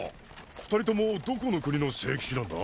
二人ともどこの国の聖騎士なんだ？